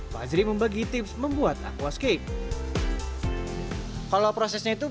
fazri membagi tips membuat aquascape